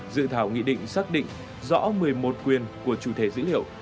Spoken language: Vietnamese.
dự thảo nghị định xác định rõ một mươi một quyền của chủ thể dữ liệu